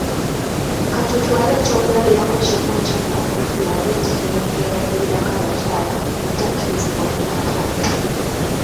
Ka tutwale eky’okulabirako kimu eky’enkoko tulabe ensonga eyaviirako abakyala obutakkirizibwa kulya nkoko.